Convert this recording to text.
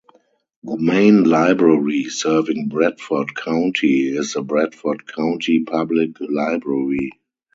The main library serving Bradford County is the Bradford County Public Library.